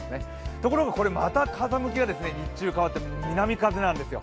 ところがまた風向きが日中変わって南風なんですよ。